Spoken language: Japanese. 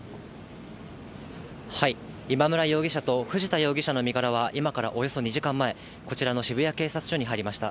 今村容疑者と藤田容疑者の身柄は、今からおよそ２時間前、こちらの渋谷警察署に入りました。